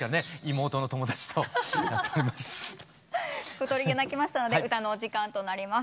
小鳥が鳴きましたので歌のお時間となります。